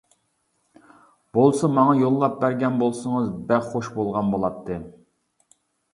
بولسا ماڭا يوللاپ بەرگەن بولسىڭىز بەك خوش بولغان بولاتتى.